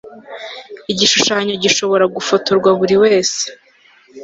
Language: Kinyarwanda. igishushanyo gishobora gufotorwa buri wese